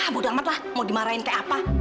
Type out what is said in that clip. buda amat lah mau dimarahin kayak apa